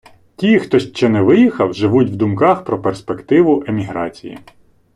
Ті, хто ще не виїхав, живуть в думках про перспективу еміграції.